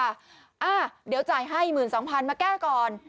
อ่ะเดี๋ยวจ่ายให้๑๒๐๐๐มาแก้ก่อน